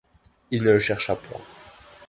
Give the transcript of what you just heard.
Il ne le chercha point.